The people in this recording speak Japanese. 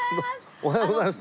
おはようございます。